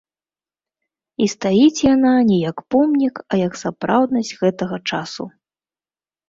І стаіць яна не як помнік, а як сапраўднасць гэтага часу.